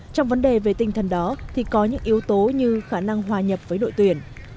trong vấn đề về tinh thần đó thì có những yếu tố như khả năng hòa nhập với đội tuyển